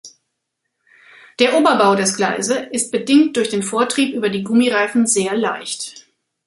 Der Oberbau des Gleise ist bedingt durch den Vortrieb über die Gummireifen sehr leicht.